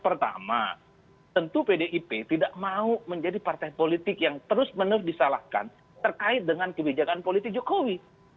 pertama tentu pdip tidak mau menjadi partai politik yang terus menerus disalahkan terkait dengan kebijakan politik jokowi